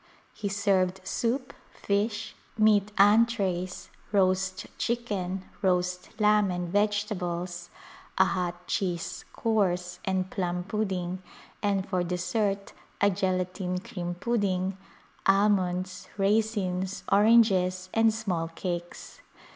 He served soup, fish, meat entrees, roast chicken, roast lamb and vegetables, a hot cheese course and plum pudding, and for dessert a gelatine cream pudding, almonds, raisins, oranges and small cakes.